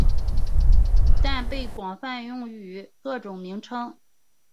但被广泛用于各种名称。